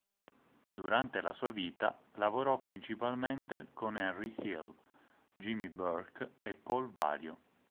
Durante la sua vita lavorò principalmente con Henry Hill, Jimmy Burke e Paul Vario.